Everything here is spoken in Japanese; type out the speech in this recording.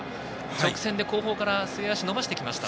直線で後方から末脚伸ばしてきました。